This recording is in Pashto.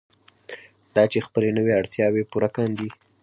دا چې خپلې نورې اړتیاوې پوره کاندي.